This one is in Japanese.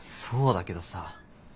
そうだけどさ。